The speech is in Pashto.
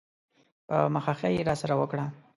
په مخه ښې یې راسره وکړه.